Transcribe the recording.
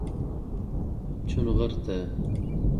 چونغرته